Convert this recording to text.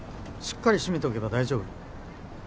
しっかり閉めとけば大丈夫